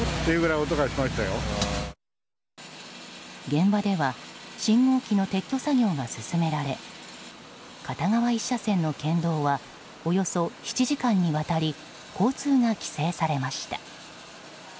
現場では信号機の撤去作業が進められ片側１車線の県道はおよそ７時間にわたり交通が規制されました。